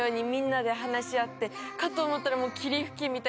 かと思ったら。